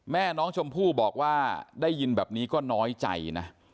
แม่น้องชมพู่บอกว่าได้ยินแบบนี้ก็น้อยใจนะ